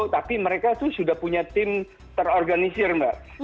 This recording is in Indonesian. tapi mereka itu sudah punya tim terorganisir mbak